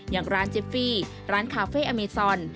อย่างร้านเจฟฟี่ร้านคาเฟ่อเมซอน